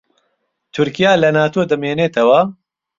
تورکیا لە ناتۆ دەمێنێتەوە؟